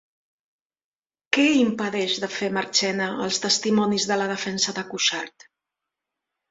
Què impedeix de fer Marchena als testimonis de la defensa de Cuixart?